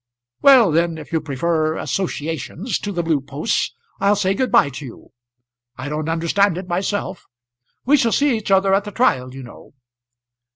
"Well then, if you prefer associations to the Blue Posts I'll say good bye to you. I don't understand it myself. We shall see each other at the trial you know."